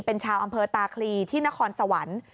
เป็นชาวอำเภอตาคลีที่นครสวรรค์